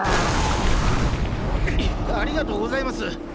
ありがとうございます。